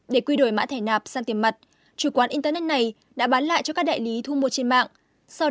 để quy đổi mã thẻ nạp sang tiền mặt chủ quán internet này đã bán lại cho các đại lý thu mua trên mạng giá trị thẻ nạp là tám mươi tám mươi năm